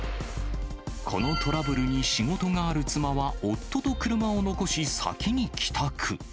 このトラブルに、仕事がある妻は夫と車を残し、先に帰宅。